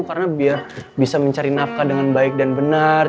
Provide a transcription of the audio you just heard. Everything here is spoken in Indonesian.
karena biar bisa mencari nafkah dengan baik dan benar